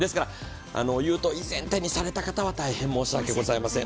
言うと、以前に手にされた方は大変申し訳ありません。